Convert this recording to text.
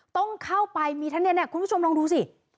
ต้องเข้าไปมีทั้งเนี่ยคุณผู้ชมลองดูสิ